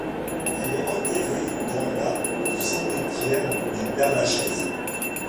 Elle est enterrée dans la du cimetière du Père-Lachaise.